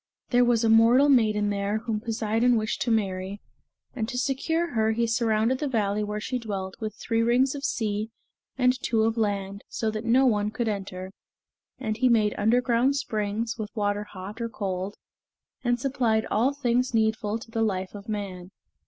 There was a mortal maiden there whom Poseidon wished to marry, and to secure her he surrounded the valley where she dwelt with three rings of sea and two of land so that no one could enter; and he made underground springs, with water hot or cold, and supplied all things needful to the life of man.